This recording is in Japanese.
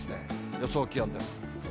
予想気温です。